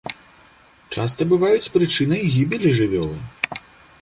Часта бываюць прычынай гібелі жывёлы.